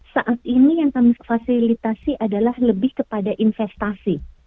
saat ini yang kami fasilitasi adalah lebih kepada investasi